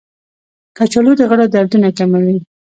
کچالو د غړو دردونه کموي.